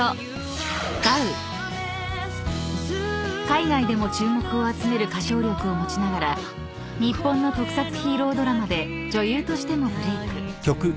［海外でも注目を集める歌唱力を持ちながら日本の特撮ヒーロードラマで女優としてもブレイク］